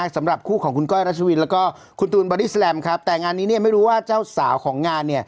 ผมต้องลืมอารมณ์นิดหนึ่ง